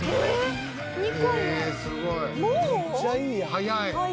早い。